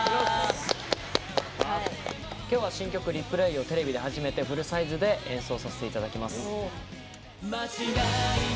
今日は新曲「Ｒｅｐｌａｙ」をテレビで初めてフルサイズで演奏させていただきます。